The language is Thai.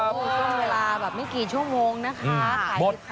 ช่วงเวลาแบบไม่กี่ชั่วโมงนะคะ